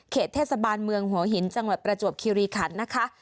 เทศบาลเมืองหัวหินจังหวัดประจวบคิริขันนะคะ